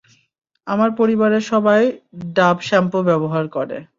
আমার পরিবারের সবাই ডাব স্যাম্পো ব্যবহার করে।